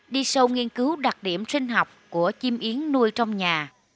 đi sâu nghiên cứu đặc điểm sinh học của chim yến nuôi trong nhà